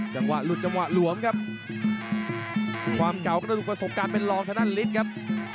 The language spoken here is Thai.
จังหวะหลุดจังหวะหลวมครับ